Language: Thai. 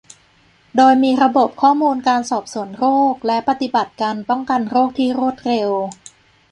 โดยมีระบบข้อมูลการสอบสวนโรค และ ปฏิบัติการป้องกันโรคที่รวดเร็ว